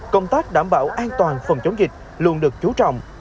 công tác đảm bảo an toàn phòng chống dịch luôn được chú trọng